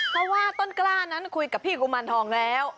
เพราะว่าต้นกล้านั้นคุยกับพี่กุมารทองแล้ว